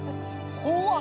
怖っ。